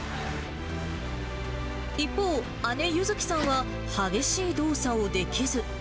一方、姉、優月さんは激しい動作をできず。